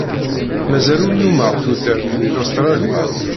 Mazal ur nnumeɣ tudert di Lustṛali.